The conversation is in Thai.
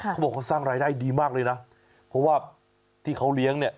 เขาบอกเขาสร้างรายได้ดีมากเลยนะเพราะว่าที่เขาเลี้ยงเนี่ย